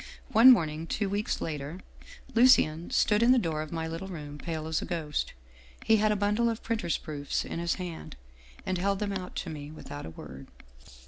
One morn ing, two weeks later, Lucien stood in the door of my little room, pale as a ghost. He had a bundle of printer's proofs in his hand, and held them out to me without a word.